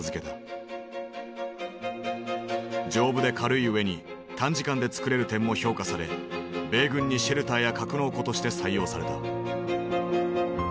丈夫で軽いうえに短時間でつくれる点も評価され米軍にシェルターや格納庫として採用された。